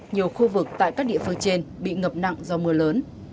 nhiều khu vực tại các địa phương trên bị ngập nặng do mưa lớn